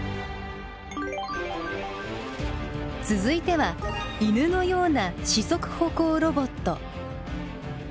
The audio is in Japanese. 続いては犬のような四足歩行ロボット。